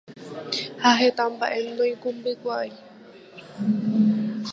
ha heta mba'e noikũmbykuaái.